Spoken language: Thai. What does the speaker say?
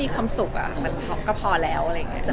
ก็พอแล้ว